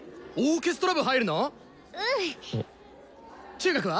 中学は？